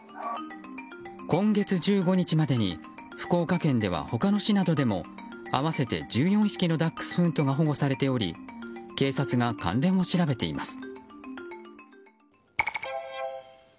今月１５日までに福岡県では他の市などでも合わせて１４匹のダックスフントが保護されており警察が関連を調べています。